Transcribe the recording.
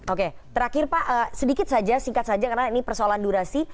oke terakhir pak sedikit saja singkat saja karena ini persoalan durasi